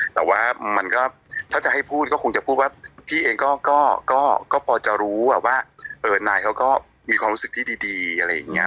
แต่ว่ามันก็ถ้าจะให้พูดก็คงจะพูดว่าพี่เองก็พอจะรู้ว่านายเขาก็มีความรู้สึกที่ดีอะไรอย่างนี้